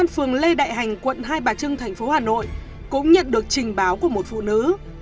phường lê đại hành quận hai bà trưng thành phố hà nội cũng nhận được trình báo của một phụ nữ